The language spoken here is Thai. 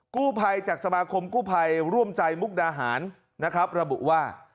กู้ภัยจากสมาคมกู้ภัยร่วมใจมุกดาหารนะครับระบุว่า